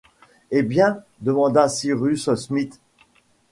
Eh bien ? demanda Cyrus Smith.